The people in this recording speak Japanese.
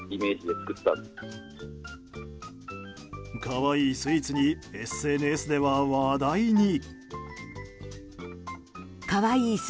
可愛いスイーツにＳＮＳでは話題に！